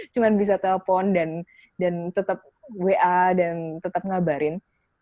cuma bisa telepon dan tetap wa dan tetap ngabarin